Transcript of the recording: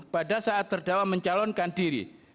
pada saat terdakwa mencalonkan diri